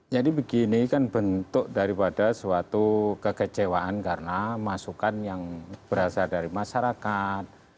jadi begini kan bentuk daripada suatu kekecewaan karena masukan yang berasal dari masyarakat